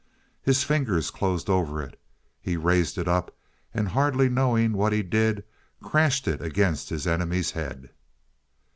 His fingers closed over it; he raised it up, and hardly knowing what he did, crashed it against his enemy's head.